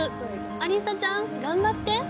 アリサちゃん、頑張って！